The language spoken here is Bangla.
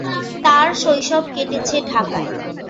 তার শৈশব কেটেছে ঢাকায়।